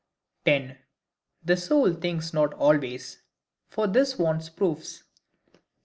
10. The Soul thinks not always; for this wants Proofs.